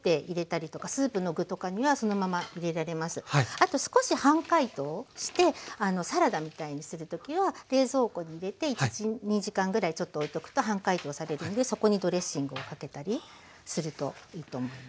あと少し半解凍してサラダみたいにする時は冷蔵庫に入れて１２時間ぐらいちょっとおいておくと半解凍されるのでそこにドレッシングをかけたりするといいと思います。